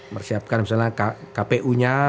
mersiapkan misalnya kpu nya